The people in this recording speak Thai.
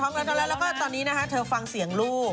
ท้องเออท้องแล้วแล้วก็ตอนนี้นะฮะเธอฟังเสียงลูก